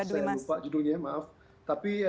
saya lupa judulnya ya maaf tapi